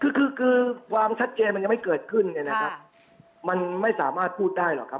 คือคือความชัดเจนมันยังไม่เกิดขึ้นเนี่ยนะครับมันไม่สามารถพูดได้หรอกครับ